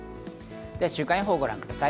では週間予報をご覧ください。